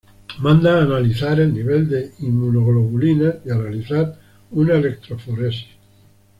Manda a analizar el nivel de inmunoglobulinas y a realizar una electroforesis.